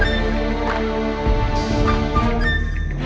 aku harus menangkan kayu kayu itu